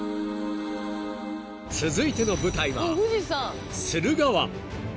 ［続いての舞台は］